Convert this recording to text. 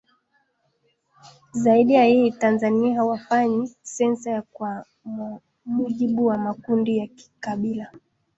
Zaidi ya hili Tanzania hawafanyi sensa ya kwa mujibu wa makundi ya kikabila